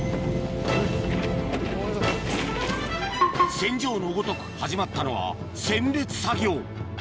戦場のごとく始まったのは選別作業